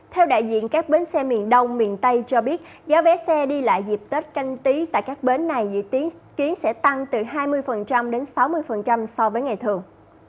theo đại diện các bến xe miền đông miền tây cho biết giá vé xe đi lại dịp tết canh tí tại các bến này dự kiến sẽ tăng từ hai mươi đến sáu mươi so với ngày thường